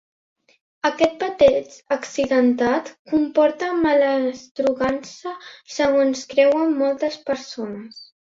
Aquest bateig accidentat comporta malastrugança, segons creuen moltes persones.